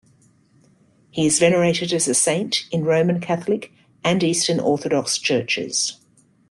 He is venerated as a saint in Roman Catholic and Eastern Orthodox churches.